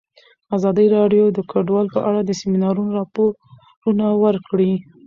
ازادي راډیو د کډوال په اړه د سیمینارونو راپورونه ورکړي.